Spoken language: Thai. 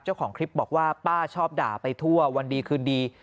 เจ้าของคลิปบอกว่าป้าชอบด่าไปทั่ววันดีคืนดี